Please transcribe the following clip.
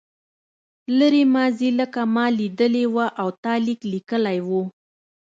لرې ماضي لکه ما لیدلې وه او تا لیک لیکلی و.